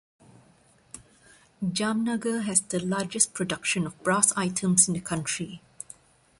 Jamnagar has the largest production of Brass items in the country.